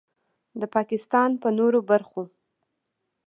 د پاکستان په نورو برخو